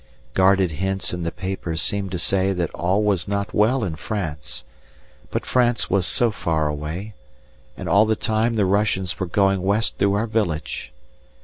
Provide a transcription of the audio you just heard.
Guarded hints in the papers seemed to say that all was not well in France, but France was so far away, and all the time the Russians were going west through our village.